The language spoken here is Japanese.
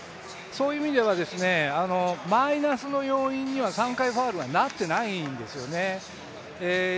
そういう意味ではマイナスの要因に３回目はなっていないんですよね。